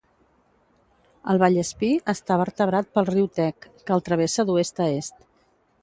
El Vallespir està vertebrat pel riu Tec, que el travessa d'oest a est.